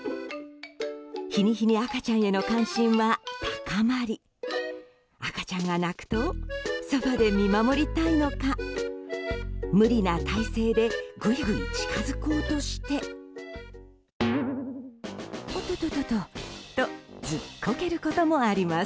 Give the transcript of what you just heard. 日に日に赤ちゃんへの関心は高まり赤ちゃんが泣くとそばで見守りたいのか無理な体勢でぐいぐい近づこうとしてオトトトトとずっこけることもあります。